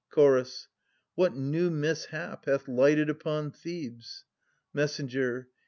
Chorus. What new mishap hath lighted upon Thebes ? Messenger.